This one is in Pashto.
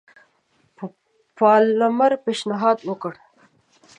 پالمر پېشنهاد وکړ.